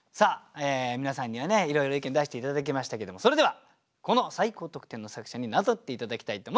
皆さんにはねいろいろ意見出して頂きましたけどもそれではこの最高得点の作者に名乗って頂きたいと思います。